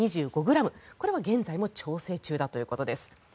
これは現在も調整中だということです。